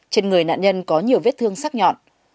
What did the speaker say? trên người nạn nhân có nhiều vết thương sắc nhọn